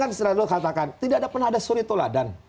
kan setelah lu katakan tidak pernah ada suri toladan